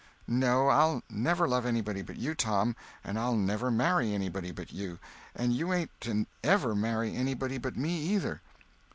"No, I'll never love anybody but you, Tom, and I'll never marry anybody but you—and you ain't to ever marry anybody but me, either."